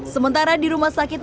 sementara di rumah sakit